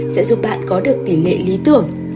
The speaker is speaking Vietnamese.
sẽ giúp bạn có được tỷ lệ lý tưởng